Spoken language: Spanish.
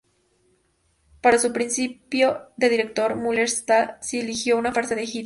Para su principio de director, Mueller-Stahl eligió una farsa de Hitler.